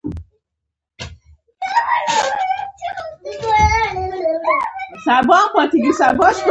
د علامه رشاد لیکنی هنر مهم دی ځکه چې پخواني آثار کاروي.